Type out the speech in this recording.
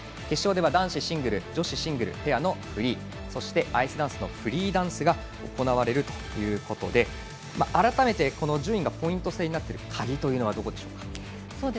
決勝では男子シングル女子シングルペアのフリーアイスダンスのフリーダンスが行われるということで改めて、順位がポイント制になっている鍵というのはどこでしょうか。